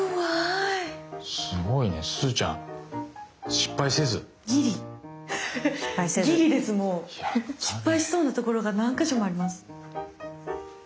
失敗しそうなところが何か所もあります。